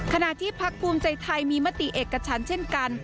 ขณะที่ภักร์ภูมิใจไทยมีมติเอกกระชันเช่นกัน